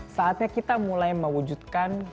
saatnya kita mulai mewujudkan